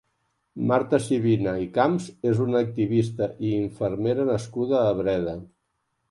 Marta Sibina i Camps és una activista i infermera nascuda a Breda.